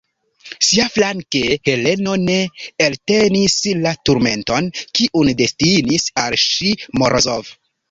Siaflanke Heleno ne eltenis la turmenton, kiun destinis al ŝi Morozov.